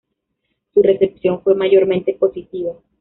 Su recepción fue mayormente positiva.